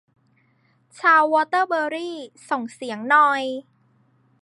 ชาววอเตอร์เบอรี่ ส่งเสียงหน่อย